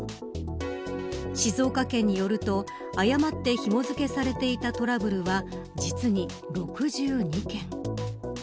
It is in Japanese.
静岡県によると誤ってひも付けされていたトラブルは実に６２件。